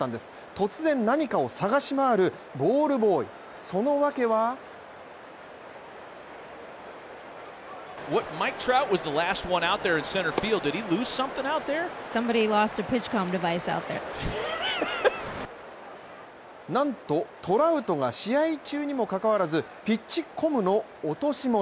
突然何かを探し回るボールボーイ、その訳はなんとトラウトが試合中にもかかわらず、ピッチコムの落とし物。